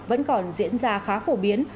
vẫn còn diễn ra khá phổ biến